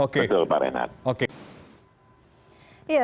betul pak renat